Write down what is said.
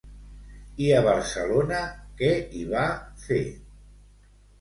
I a Barcelona què hi va fer?